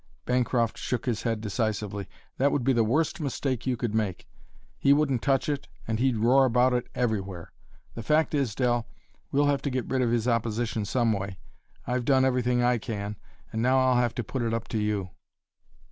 Bancroft shook his head decisively. "That would be the worst mistake you could make. He wouldn't touch it and he'd roar about it everywhere. The fact is, Dell, we'll have to get rid of his opposition some way. I've done everything I can, and now I'll have to put it up to you."